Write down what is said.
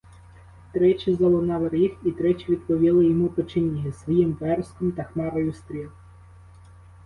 Тричі залунав ріг і тричі відповіли йому печеніги своїм вереском та хмарою стріл.